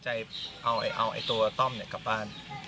จนเขาก็สินใจเอาไอ้ตัวต้อมกลับบ้าน